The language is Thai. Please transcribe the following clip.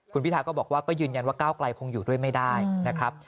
คุณพิทาก็บอกว่าก็ยืนยันว่าก้าวไกลคงอยู่ด้วยไม่ได้นะครับ